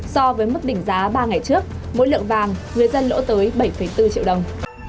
so với mức đỉnh giá ba ngày trước mỗi lượng vàng người dân lỗ tới bảy bốn triệu đồng